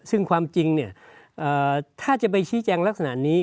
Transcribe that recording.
ซึ่งความจริงถ้าจะไปชี้แจงลักษณะนี้